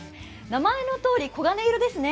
名前のとおり黄金色ですね。